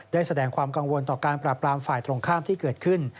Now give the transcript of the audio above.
ได้แสดงความกังวลต่อการปราบรามฝ่ายตรงข้ามที่เกิดขึ้น